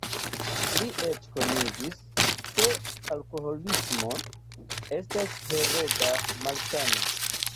Li eĉ konigis, ke alkoholismo estas hereda malsano.